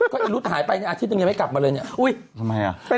ก็ไอ้รุดหายไปในอาทิตย์หนึ่งยังไม่กลับมาเลยเนี่ยอุ้ยทำไมอ่ะ